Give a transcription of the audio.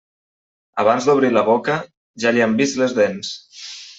Abans d'obrir la boca, ja li han vist les dents.